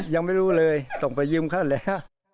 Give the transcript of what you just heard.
ยังไม่รู้เลยส่งไปยืมเขาแล้ว